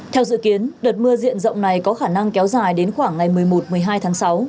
theo dự kiến đợt mưa diện rộng này có khả năng kéo dài đến khoảng ngày một mươi một một mươi hai tháng sáu